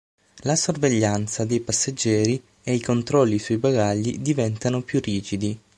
La sorveglianza dei passeggeri e i controlli sui bagagli diventano più rigidi.